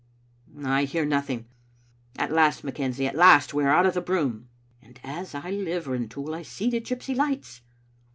" I hear nothing. At last, McKenzie, at last, we are out of the broom." "And as I live, Rintoul, I see the gypsy lights!"